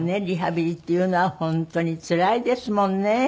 リハビリっていうのは本当につらいですもんね。